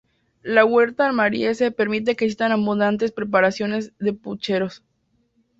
La huerta almeriense permite que existan abundantes preparaciones de pucheros.